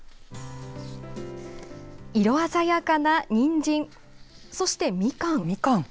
色鮮やかなにんじんそして、みかん。